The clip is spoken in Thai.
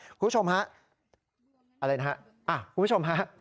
คุณผู้ชมฮะอะไรนะฮะคุณผู้ชมฮะ